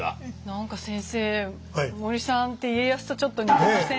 何か先生森さんって家康とちょっと似てません？